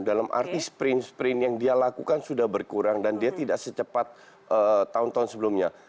dalam arti sprint sprint yang dia lakukan sudah berkurang dan dia tidak secepat tahun tahun sebelumnya